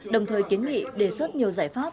đồng thời kiến nghị đề xuất nhiều giải pháp